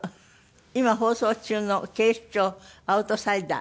今放送中の『警視庁アウトサイダー』。